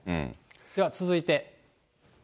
では続いて。